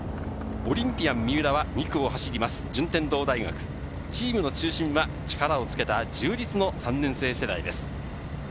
オリンピアン・三浦は２区を走ります順天堂大学、チームの中心は力を付けた充実の３年生世代です。